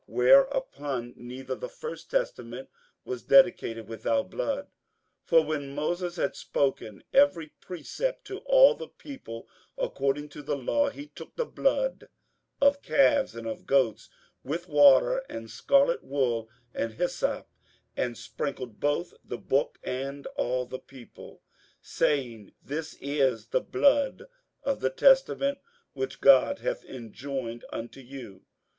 58:009:018 Whereupon neither the first testament was dedicated without blood. 58:009:019 For when Moses had spoken every precept to all the people according to the law, he took the blood of calves and of goats, with water, and scarlet wool, and hyssop, and sprinkled both the book, and all the people, 58:009:020 Saying, This is the blood of the testament which God hath enjoined unto you.